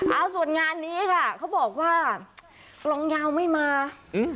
เอาส่วนงานนี้ค่ะเขาบอกว่ากลองยาวไม่มาอืม